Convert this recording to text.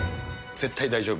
絶対大丈夫！